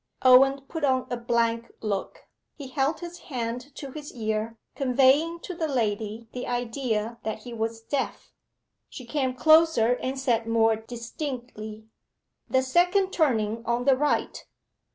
Owen put on a blank look: he held his hand to his ear conveying to the lady the idea that he was deaf. She came closer and said more distinctly 'The second turning on the right.